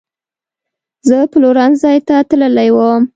زه پلورنځۍ ته تللې وم